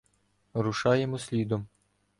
Рушаємо слідом.